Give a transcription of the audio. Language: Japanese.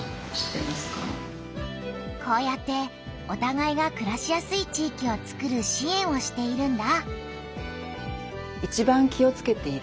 こうやっておたがいがくらしやすい地域をつくる支援をしているんだ。